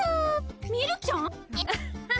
みるきちゃん！？